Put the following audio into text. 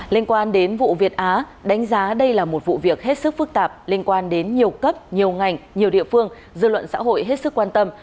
liên quan đến vụ việt á đánh giá đây là một vụ việc hết sức phức tạp liên quan đến nhiều cấp nhiều ngành nhiều địa phương dư luận xã hội hết sức quan tâm